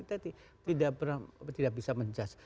kita tidak bisa menjust